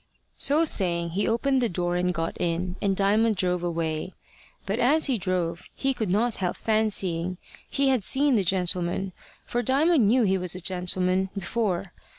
So saying, he opened the door and got in, and Diamond drove away. But as he drove, he could not help fancying he had seen the gentleman for Diamond knew he was a gentleman before.